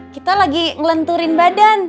kita lagi ngelenturin badan